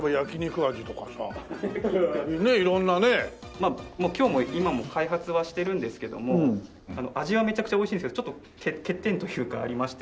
まあ今日も今も開発はしてるんですけども味はめちゃくちゃ美味しいんですけどちょっと欠点というかありまして。